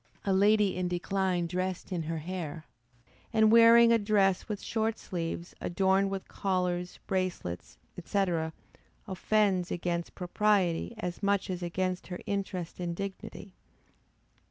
A lady in her decline dressed in her hair, and wearing a dress with short sleeves, adorned with collars, bracelets, &c. offends against propriety as much as against her interest and dignity.